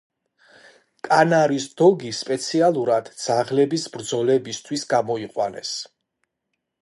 კანარის დოგი სპეციალურად ძაღლების ბრძოლებისთვის გამოიყვანეს.